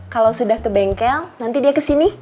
kalau sudah ke bengkel nanti dia kesini